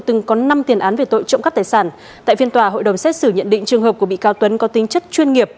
trụng cấp tài sản tại phiên tòa hội đồng xét xử nhận định trường hợp của bị cáo tuấn có tính chất chuyên nghiệp